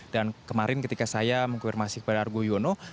dan kemarin ketika saya mengkupermasi kepada argo yono